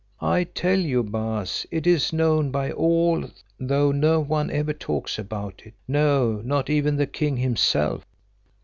I tell you, Baas, it is known by all though no one ever talks about it, no, not even the king himself.